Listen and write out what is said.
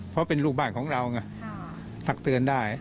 เพราะเป็นลูกบ้านของเราไงทักเตือนได้